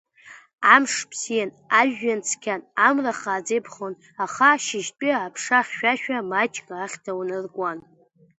Амш бзиан, ажәҩан цқьан, амра хааӡа иԥхон, аха ашьыжьтәи аԥша хьшәашәа маҷк ахьҭа уанаркуан.